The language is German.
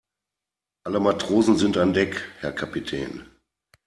Alle Matrosen sind an Deck, Herr Kapitän.